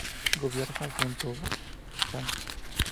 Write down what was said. Gobierna junto con Chango.